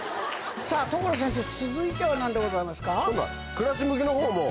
さぁ所先生続いては何でございますか？